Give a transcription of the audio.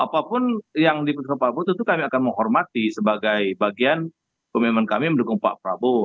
apapun yang dipersulit pak prabowo tentu kami akan menghormati sebagai bagian komitmen kami mendukung pak prabowo